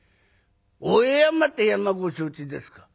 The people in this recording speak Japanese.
大江山って山ご承知ですか？